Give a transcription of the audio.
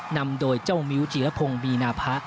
นำโดยเจ้ามิวจิราภงมีนาพะ